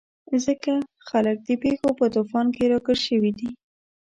ځکه خلک د پېښو په توپان کې راګیر شوي دي.